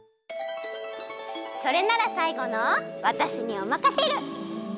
それならさいごのわたしにおまかシェル！